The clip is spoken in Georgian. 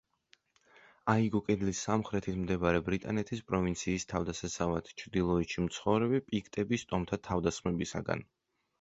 აიგო კედლის სამხრეთით მდებარე ბრიტანეთის პროვინციის თავდასაცავად ჩრდილოეთში მცხოვრები პიქტების ტომთა თავდასხმებისაგან.